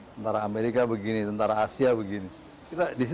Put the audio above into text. tentara amerika begini tentara asia begini